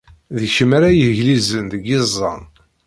D kemm ara yeglilzen deg yiẓẓan.